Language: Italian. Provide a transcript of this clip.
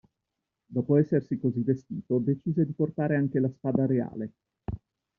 Dopo essersi così vestito, decise di portare anche la spada reale.